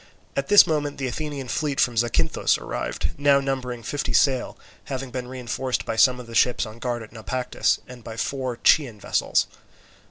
At this moment the Athenian fleet from Zacynthus arrived, now numbering fifty sail, having been reinforced by some of the ships on guard at Naupactus and by four Chian vessels.